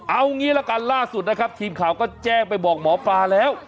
เอางี้ละกันล่าสุดนะครับทีมข่าวก็แจ้งไปบอกหมอปลาแล้ว